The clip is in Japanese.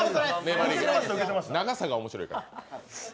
長さが面白いから。